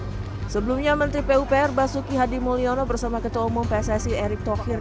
dari birohapod sebelumnya menteri pupr basuki hadimulyono bersama ketua umum pssi erick tokir